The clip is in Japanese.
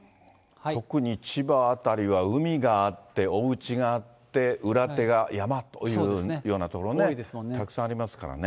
特に千葉辺りは、海があって、おうちがあって、裏手が山というような所たくさんありますからね。